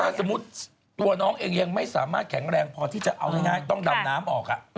ถ้าสมมุติตัวน้องเองยังไม่สามารถแข็งแรงพอที่จะเอาง่ายต้องดำน้ำออก